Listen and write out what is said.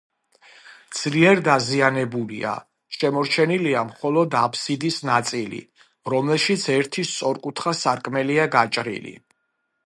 ძლიერ დაზიანებულია: შემორჩენილია მხოლოდ აბსიდის ნაწილი, რომელშიც ერთი სწორკუთხა სარკმელია გაჭრილი.